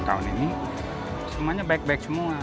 tiga puluh tahun ini semuanya baik baik semua